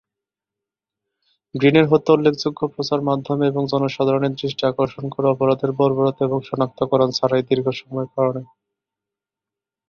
গ্রিনের হত্যা উল্লেখযোগ্য প্রচার মাধ্যম এবং জনসাধারণের দৃষ্টি আকর্ষণ করে অপরাধের বর্বরতা এবং শনাক্তকরণ ছাড়াই দীর্ঘ সময়ের কারণে।